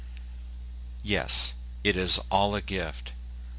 Yes, it is all a gift.